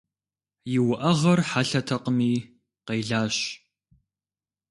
И уӏэгъэр хьэлъэтэкъыми къелащ.